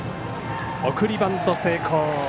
送りバント成功。